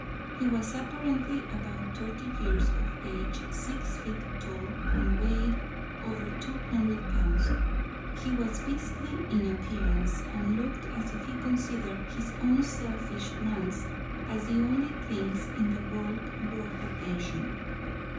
He was apparently about thirty years of age, six feet tall, and weighed over two hundred pounds. He was beastly in appearance, and looked as if he considered his own selfish wants as the only things in the world worth attention.